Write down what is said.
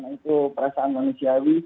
atau perasaan manusiawi